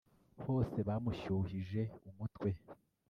hose bamushyuhije umutwe